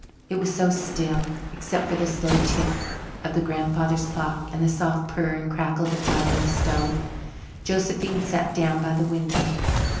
It was so still, except for the slow tick of the "grandfather's clock" and the soft purr and crackle of the wood in the stove. Josephine sat down by the window.